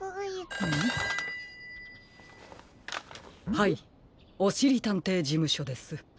☎はいおしりたんていじむしょです。